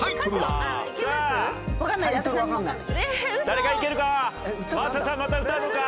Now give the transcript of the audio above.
誰かいけるか？